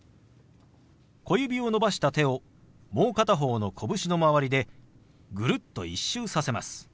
小指を伸ばした手をもう片方の拳の周りでぐるっと１周させます。